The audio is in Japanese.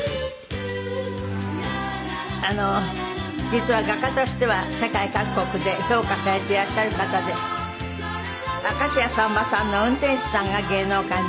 実は画家としては世界各国で評価されていらっしゃる方で明石家さんまさんの運転手さんが芸能界の始まりでした。